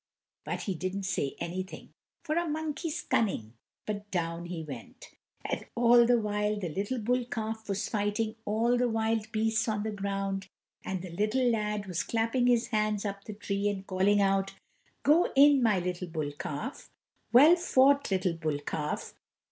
But he didn't say anything, for a monkey's cunning, but down he went. And all the while the little bull calf was fighting all the wild beasts on the ground, and the little lad was clapping his hands up the tree, and calling out: "Go in, my little bull calf! Well fought, little bull calf!"